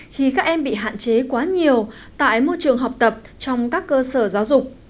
khi các em bị hạn chế quá nhiều tại môi trường học tập trong các cơ sở giáo dục